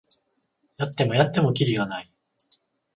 やってもやってもキリがない